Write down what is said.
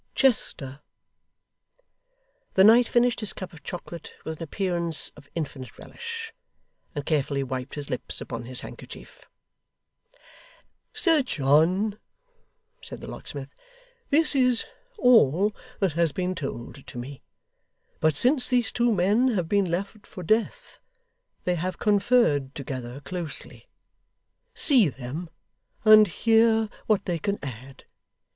'Chester.' The knight finished his cup of chocolate with an appearance of infinite relish, and carefully wiped his lips upon his handkerchief. 'Sir John,' said the locksmith, 'this is all that has been told to me; but since these two men have been left for death, they have conferred together closely. See them, and hear what they can add.